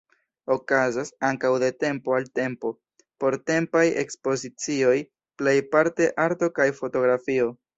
Okazas ankaŭ de tempo al tempo portempaj ekspozicioj, plejparte arto kaj fotografio.